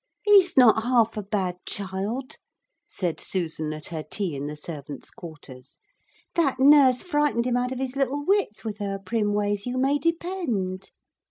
'He's not half a bad child,' said Susan at her tea in the servants' quarters. 'That nurse frightened him out of his little wits with her prim ways, you may depend.